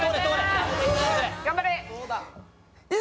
頑張れ！